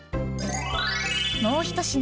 もう一品。